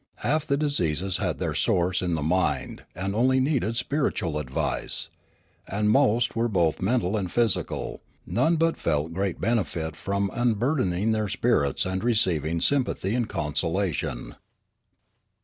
Half the diseases had their source in the mind and only needed spiritual advice ; and most were both mental and ph3'sical ; none but felt great benefit from unburdening their spirits and receiving sympathy and consolation.